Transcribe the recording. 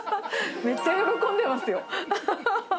めっちゃ喜んでますよ。